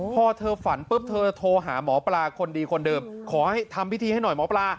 พอเธอฝันปุ๊บเธอโทรหาหมอปลาคนดีคนเดิมขอให้ทำพิธีให้หน่อยหมอปลา